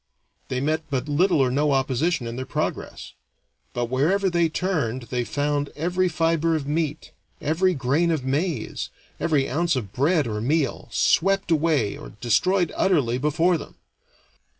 They met but little or no opposition in their progress; but wherever they turned they found every fiber of meat, every grain of maize, every ounce of bread or meal, swept away or destroyed utterly before them.